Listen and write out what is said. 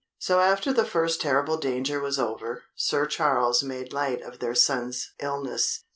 So after the first terrible danger was over, Sir Charles made light of their son's illness.